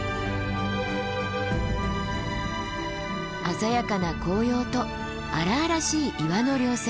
鮮やかな紅葉と荒々しい岩の稜線。